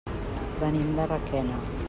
Venim de Requena.